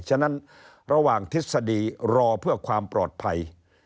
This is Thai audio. ฉะนั้นระหว่างทฤษฎีรอเพื่อความปลอดภัย